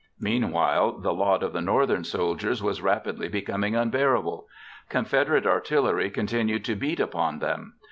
Meanwhile, the lot of the Northern soldiers was rapidly becoming unbearable. Confederate artillery continued to beat upon them.